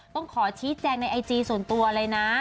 ต้องขอชี้แจงในไอจีส่วนตัวเลยนะ